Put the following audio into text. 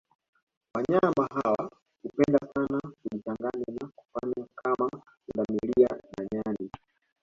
Wanyama hawa hupenda sana kujichanganya na wanyama kama pundamlia na nyani